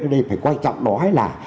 ở đây phải quan trọng đó là